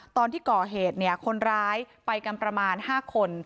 ตอนที่ก่อเหตุคนร้ายไปกันประมาณ๕คน